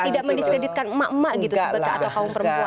tidak mendiskreditkan emak emak gitu atau kaum perempuan